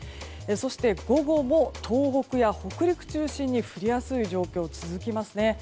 そして午後も東北や北陸中心に降りやすい状況が続きます。